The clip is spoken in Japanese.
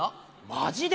マジで？